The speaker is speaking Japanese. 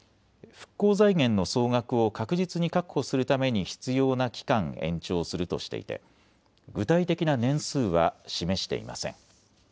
復興財源の総額を確実に確保するために必要な期間、延長するとしていて具体的な年数は示していません。